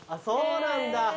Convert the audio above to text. そうなんだ。